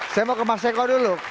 saya mau ke mas eko dulu